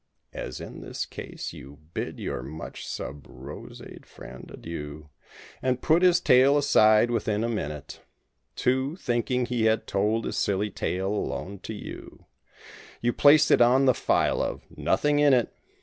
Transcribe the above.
As in this case, you bid your much sub rosaed friend adieu— And put his tale aside within a minute— Too, thinking he had told his silly tale alone to you You placed it on the file of—"Nothing in it."